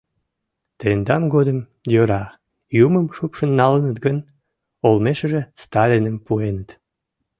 Тендан годым — йӧра, юмым шупшын налыныт гын, олмешыже Сталиным пуэныт.